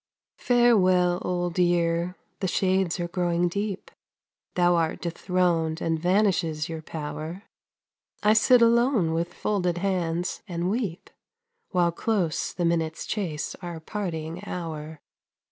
Farewell, Old Year, the shades are growing deep, Thou art dethroned and vanishes your power; I sit alone with folded hands and weep, While close the minutes chase our parting hour.